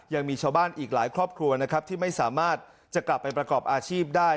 ยังมีชาวบ้านอีกหลายครอบครัวนะครับที่ไม่สามารถจะกลับไปประกอบอาชีพได้